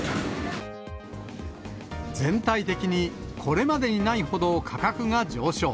全体的にこれまでにないほど価格が上昇。